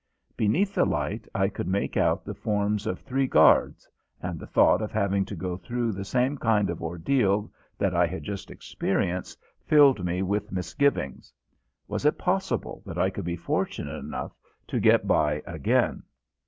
Beneath the light I could make out the forms of three guards, and the thought of having to go through the same kind of ordeal that I had just experienced filled me with misgivings. Was it possible that I could be fortunate enough to get by again?